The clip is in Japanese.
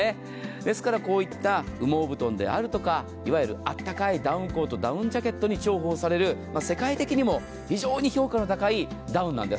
ですからこういった羽毛布団であるとかいわゆるあったかいダウンコートダウンジャケットに重宝される世界的にも非常に評価の高いダウンなんです。